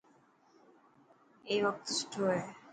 اي وقت سٺو هي.